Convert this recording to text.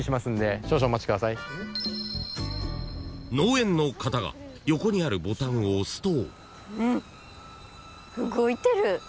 ［農園の方が横にあるボタンを押すと］